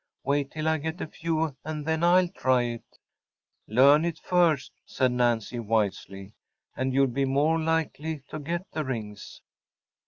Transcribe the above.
Wait till I get a few and then I’ll try it.‚ÄĚ “Learn it first,‚ÄĚ said Nancy wisely, “and you’ll be more likely to get the rings.